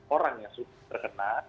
tiga ratus orang yang sudah terkena